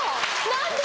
何で？